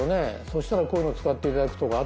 そしたらこういうのを使って頂くとか。